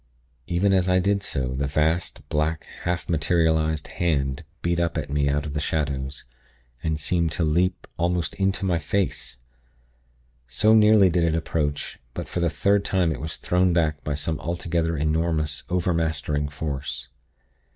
Even as I did so, the vast, black, half materialized hand beat up at me out of the shadows, and seemed to leap almost into my face; so nearly did it approach; but for the third time it was thrown back by some altogether enormous, overmastering force.